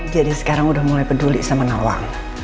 jadi sekarang udah mulai peduli sama nawang